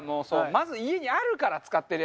まず家にあるから使ってるやつが。